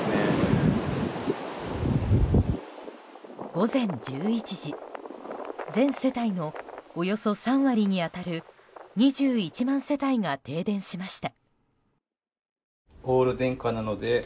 午前１１時全世帯のおよそ３割に当たる２１万世帯が停電しました。